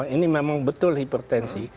ini memang betul hipertensi